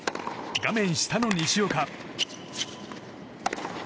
画面下の西岡。